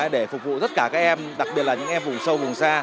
để phục vụ tất cả các em đặc biệt là những em vùng sâu vùng xa